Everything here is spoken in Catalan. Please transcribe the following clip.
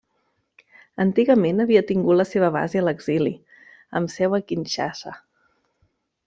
Antigament havia tingut la seva base a l'exili, amb seu a Kinshasa.